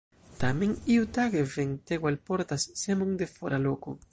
Tamen iutage, ventego alportas semon de fora loko.